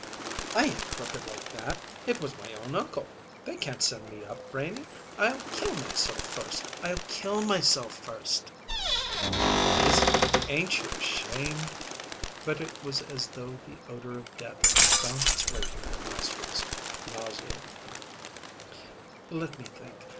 "I ain't crooked like that! It was my own uncle. They can't send me up, Renie. I'll kill myself first! I'll kill myself first!" "Izzy, ain't you ashamed?" But it was as though the odor of death found its way to her nostrils, nauseating her. "Let me think.